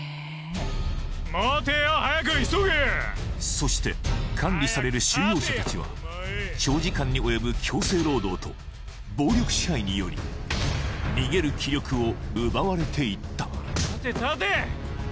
そして管理される収容者たちは長時間におよぶ強制労働と暴力支配により逃げる気力を奪われていった・ほら立て立て！